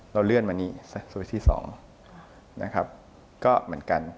เราเลื่อนมานี่สวิสที่๒นะครับก็เหมือนกัน